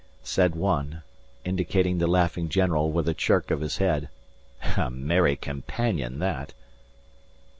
Said one, indicating the laughing general with a jerk of the head: "A merry companion that."